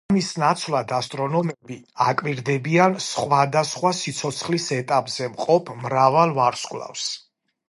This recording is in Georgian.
ამის ნაცვლად ასტრონომები აკვირდებიან სხვადასხვა სიცოცხლის ეტაპებზე მყოფ მრავალ ვარსკვლავს.